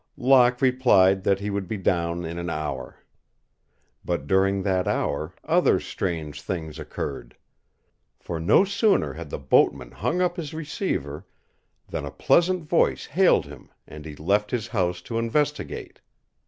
Locke replied that he would be down in an hour. But during that hour other strange things occurred. For no sooner had the boatman hung up his receiver than a pleasant voice hailed him and he left his house to investigate.